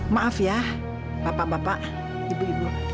maaf ya bapak bapak ibu ibu